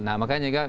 nah makanya juga